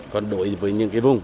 còn đối với những cái vùng